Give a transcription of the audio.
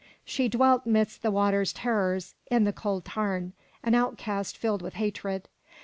She dwelt midst the water's terrors, in the cold tarn, an outcast filled with hatred.